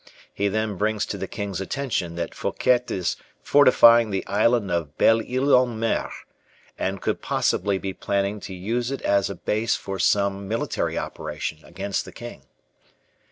He then brings to the king's attention that Fouquet is fortifying the island of Belle Ile en Mer, and could possibly be planning to use it as a base for some military operation against the king.